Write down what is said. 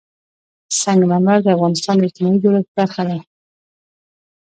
سنگ مرمر د افغانستان د اجتماعي جوړښت برخه ده.